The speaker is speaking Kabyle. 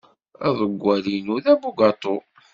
Aḍewwal-inu d abugaṭu.